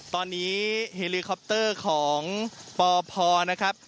ตอนนี้เฮลิคอปเตอร์ของปพนะครับ